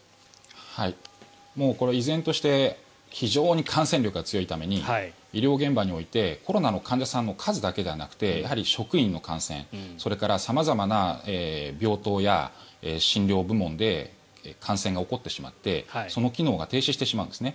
もうこれは依然として非常に感染力が強いために医療現場においてコロナの患者さんの数だけではなくてやはり職員の感染それから様々な病棟や診療部門で感染が起こってしまってその機能が停止してしまうんですね。